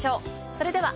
それでは。